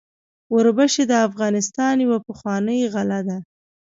وربشې د افغانستان یوه پخوانۍ غله ده.